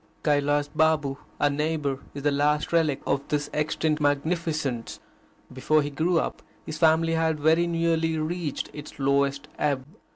Kailas Babu, our neighbour, is the last relic of this extinct magnificence. Before he grew up, his family had very nearly reached its lowest ebb.